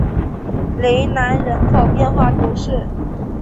雷南人口变化图示